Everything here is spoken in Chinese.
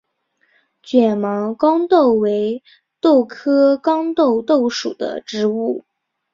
卷毛豇豆为豆科豇豆属的植物。